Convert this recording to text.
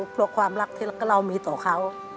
เพราะความรักที่เรามีต่อเขา